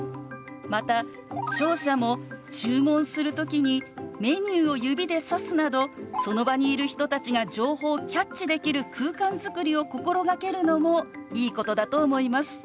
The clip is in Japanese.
また聴者も注文する時にメニューを指でさすなどその場にいる人たちが情報をキャッチできる空間作りを心がけるのもいいことだと思います。